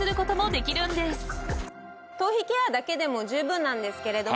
頭皮ケアだけでも十分なんですけれども。